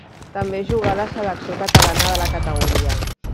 També jugà a la selecció catalana de la categoria.